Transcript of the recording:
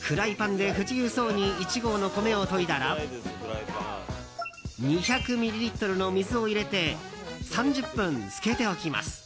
フライパンで不自由そうに１合の米をといだら２００ミリリットルの水を入れて３０分浸けておきます。